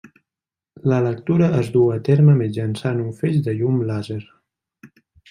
La lectura es du a terme mitjançant un feix de llum làser.